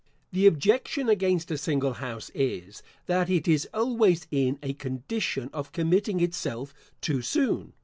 * The objection against a single house is, that it is always in a condition of committing itself too soon.